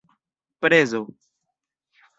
prezo